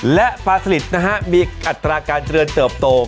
และปลาสลิดนะฮะมีอัตราการเจริญเติบโต